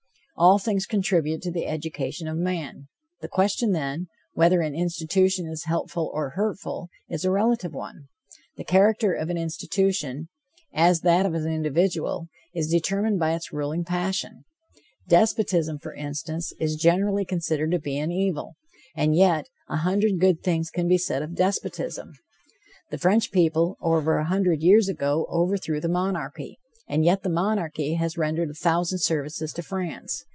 All things contribute to the education of man. The question, then, whether an institution is helpful or hurtful, is a relative one. The character of an institution, as that of an individual, is determined by its ruling passion. Despotism, for instance, is generally considered to be an evil. And yet, a hundred good things can be said of despotism. The French people, over a hundred years ago, overthrew the monarchy. And yet the monarchy had rendered a thousand services to France.